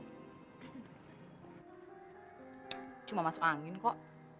cuma masuk angin kok